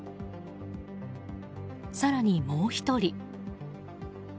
更に、もう１人。